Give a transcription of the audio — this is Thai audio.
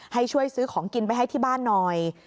ให้ช่วยซื้อของกินไปให้ที่บ้านหน่อย